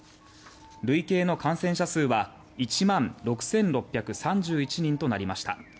累計の感染者数は１万６６３１人となりました。